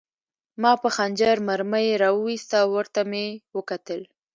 ما په خنجر مرمۍ را وویسته او ورته مې وکتل